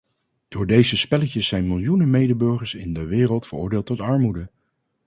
Door deze spelletjes zijn miljoenen medeburgers in de wereld veroordeeld tot armoede.